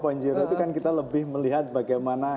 itu kan kita lebih melihat bagaimana